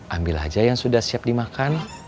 ambil aja yang sudah siap dimakan